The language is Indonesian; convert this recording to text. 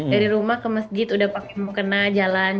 dari rumah ke masjid udah pakai mukena jalan